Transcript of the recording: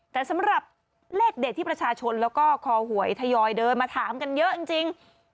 แต่สำหรับเลขเด็ดที่ประชาชนแล้วก็คอหวยทยอยเดินมาถามกันเยอะจริง